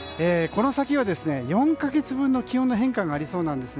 この先は４か月分の気温の変化がありそうなんです。